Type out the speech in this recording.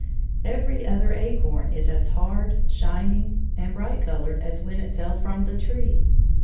Every other acorn is as hard, shining, and bright colored as when it fell from the tree.